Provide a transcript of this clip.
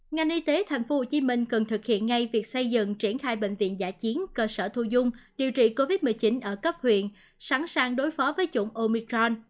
ngành y tế tp hcm cần thực hiện ngay việc xây dựng triển khai bệnh viện giả chiến cơ sở thu dung điều trị covid một mươi chín ở cấp huyện sẵn sàng đối phó với chủng omicron